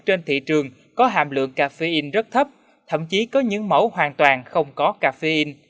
trên thị trường có hàm lượng cà phê in rất thấp thậm chí có những mẫu hoàn toàn không có cà phê in